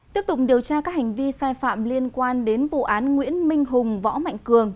tiếp tục điều tra các hành vi sai phạm liên quan đến vụ án nguyễn minh hùng võ mạnh cường